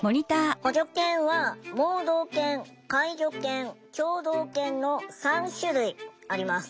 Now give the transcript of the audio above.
補助犬は盲導犬介助犬聴導犬の３種類あります。